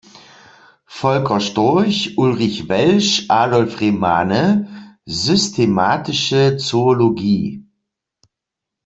Volker Storch, Ulrich Welsch, Adolf Remane: "Systematische Zoologie.